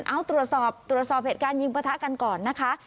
เอาตรวจสอบตรวจสอบเหตุการณ์ยิงประทะกันก่อนนะคะ